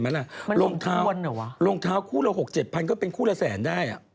มันหลงเท้าหลงเท้า๖๗๐๐๐ก็เป็นตัวดูกละแสนได้